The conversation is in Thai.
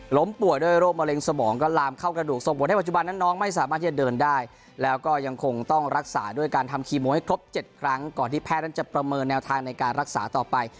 ป่วยด้วยโรคมะเร็งสมองก็ลามเข้ากระดูกส่งผลให้ปัจจุบันนั้นน้องไม่สามารถที่จะเดินได้แล้วก็ยังคงต้องรักษาด้วยการทำคีโมให้ครบ๗ครั้งก่อนที่แพทย์นั้นจะประเมินแนวทางในการรักษาต่อไป